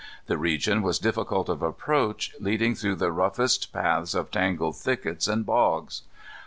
The region was difficult of approach, leading through the roughest paths of tangled thickets and bogs.